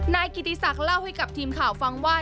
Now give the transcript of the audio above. นายกิติศักดิ์เล่าให้กับทีมข่าวฟังว่า